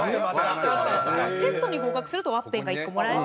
テストに合格するとワッペンが１個もらえて。